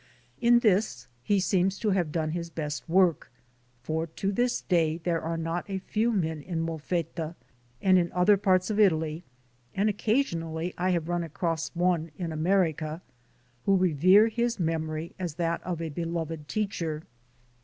In this he seems to have done his best work, for to this day there are not a few men in Molfetta and in other parts of Italy, and occasionally I have run across one in America, who revere his memory as that of a beloved teacher.